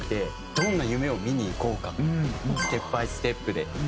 「どんな夢を見に行こうか」「ステップ・バイ・ステップ」で。